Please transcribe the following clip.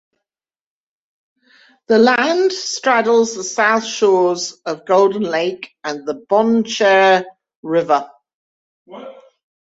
The land straddles the south shores of Golden Lake and the Bonnechere River.